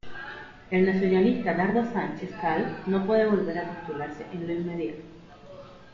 El nacionalista Dardo Sánchez Cal no puede volver a postularse en lo inmediato.